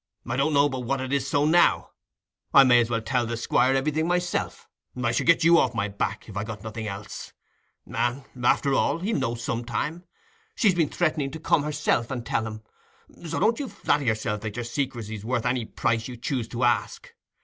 I don't know but what it is so now: I may as well tell the Squire everything myself—I should get you off my back, if I got nothing else. And, after all, he'll know some time. She's been threatening to come herself and tell him. So, don't flatter yourself that your secrecy's worth any price you choose to ask.